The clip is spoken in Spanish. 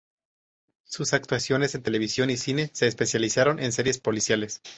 Sus actuaciones en televisión y cine se especializaron en series policiales.